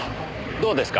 どうですか？